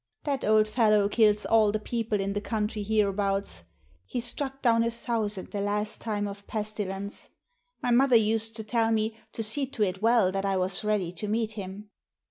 That old fellow kills all the people in the country hereabouts; he struck down a thousand the last time of pestilence. My mother used to tell me to see to it well that I was ready to meet him."